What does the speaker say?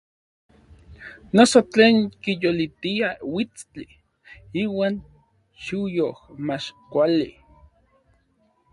Noso tlen kiyolitia uitstli iuan xiuyoj mach kuali.